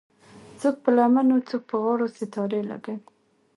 څوک په لمنو څوک په غاړو ستارې لګوي